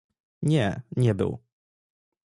Nie, nie był